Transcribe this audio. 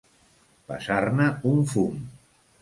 Passar-ne un fum.